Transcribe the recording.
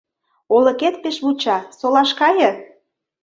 — Олыкет пеш вуча, солаш кае!